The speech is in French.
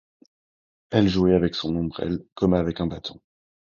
Elle jouait avec son ombrelle comme avec un bâton.